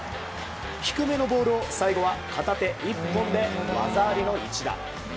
低めのボールを最後は片手１本で技ありの一打。